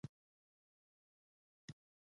آیا کاناډا د بیړۍ چلولو صنعت نلري؟